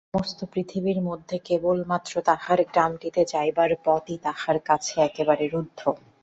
সমস্ত পৃথিবীর মধ্যে কেবলমাত্র তাহার গ্রামটিতে যাইবার পথই তাহার কাছে একেবারে রুদ্ধ।